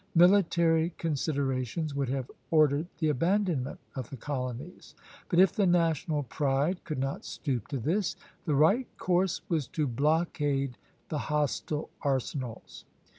Military considerations would have ordered the abandonment of the colonies; but if the national pride could not stoop to this, the right course was to blockade the hostile arsenals.